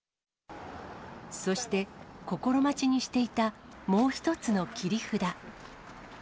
そして、心待ちにしていた、もう一つの切り札。